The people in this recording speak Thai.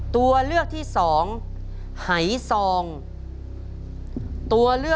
ตัวเลือกที่๑จักเข้